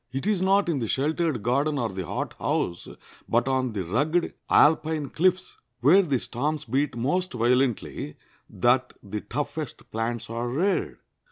It is not in the sheltered garden or the hothouse, but on the rugged Alpine cliffs, where the storms beat most violently, that the toughest plants are reared.